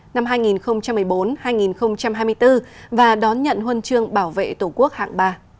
năm hai nghìn một mươi bốn hai nghìn hai mươi bốn và đón nhận huân chương bảo vệ tổ quốc hạng ba